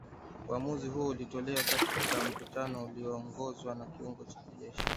uamuzi huo ulitolewa katika mkutano ulioongozwa na kiongozi wa kijeshi